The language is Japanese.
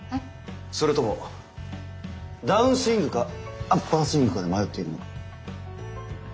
それともダウンスイングかアッパースイングかで迷っているのか？